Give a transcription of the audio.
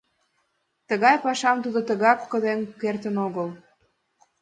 Тыгай пашам тудо тыгак коден кертын огыл.